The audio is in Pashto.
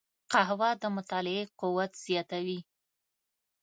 قهوه د مطالعې قوت زیاتوي